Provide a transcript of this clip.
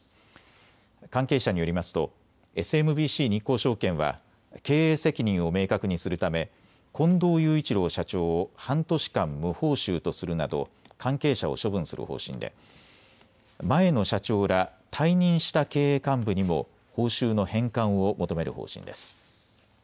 関係者によりますとＳＭＢＣ日興証券は経営責任を明確にするため近藤雄一郎社長を半年間、無報酬とするなど関係者を処分する方針で前の社長ら退任した経営幹部にも報酬の返還を求める方針です。